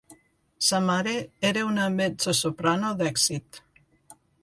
Sa mare era una mezzosoprano d'èxit.